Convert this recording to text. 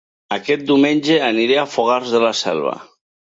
Aquest diumenge aniré a Fogars de la Selva